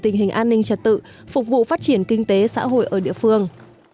tình hình an ninh trật tự phục vụ phát triển kinh tế xã hội ở địa phương